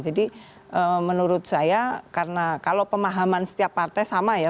jadi menurut saya karena kalau pemahaman setiap partai sama ya